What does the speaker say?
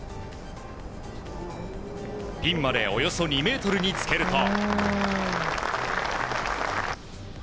ピンまでおよそ２ｍにつけると。